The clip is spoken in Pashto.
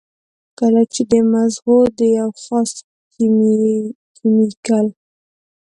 کله چې د مزغو د يو خاص کېميکل